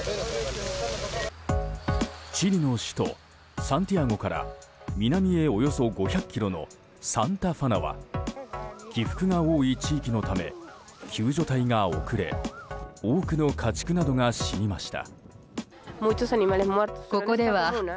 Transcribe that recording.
チリの首都サンティアゴから南へおよそ５００ｋｍのサンタ・ファナは起伏が多い地域のため救助隊が遅れ多くの家畜などが死にました。